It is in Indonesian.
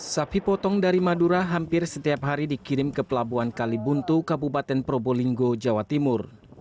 sapi potong dari madura hampir setiap hari dikirim ke pelabuhan kalibuntu kabupaten probolinggo jawa timur